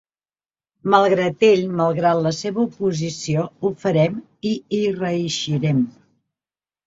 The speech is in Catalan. Malgrat ell, malgrat la seva oposició, ho farem i hi reeixirem.